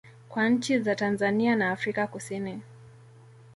kwa nchi za Tanzania na Afrika kusini